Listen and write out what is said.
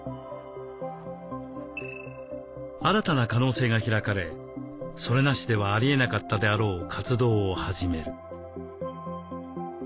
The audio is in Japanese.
新たな可能性が開かれそれなしではありえなかったであろう活動を始める。